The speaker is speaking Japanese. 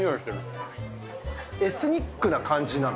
エスニックな感じなの？